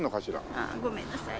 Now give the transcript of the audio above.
ああごめんなさい。